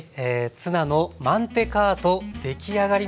ツナのマンテカート出来上がりました。